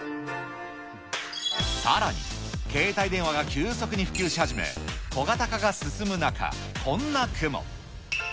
さらに、携帯電話が急速に普及し始め、小型化が進む中、こんな句も。